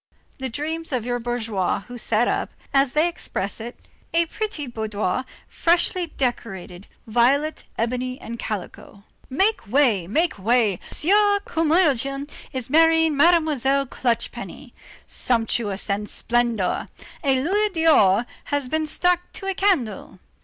The dreams of your bourgeois who set up, as they express it: a pretty boudoir freshly decorated, violet, ebony and calico. Make way! Make way! the Sieur Curmudgeon is marrying Mademoiselle Clutch penny. Sumptuousness and splendor. A louis d'or has been stuck to a candle.